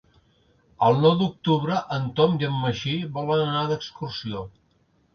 El nou d'octubre en Tom i en Magí volen anar d'excursió.